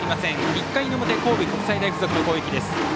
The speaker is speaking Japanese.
１回の表、神戸国際大付属の攻撃。